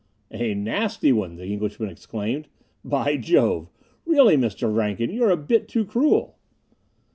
"A nasty one!" the Englishman exclaimed. "By Jove! Really, Mr. Rankin, you're a bit too cruel!"